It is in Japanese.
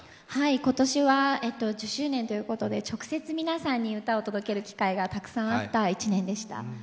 今年は１０周年ということで、直接皆さんに歌を届ける機会がたくさんあった１年でした。